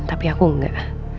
tapi aku enggak